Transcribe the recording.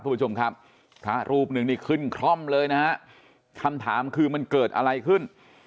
คุณผู้ชมครับพระรูปหนึ่งนี่ขึ้นคร่อมเลยนะฮะคำถามคือมันเกิดอะไรขึ้น